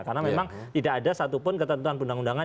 karena memang tidak ada satu pun ketentuan undang undangan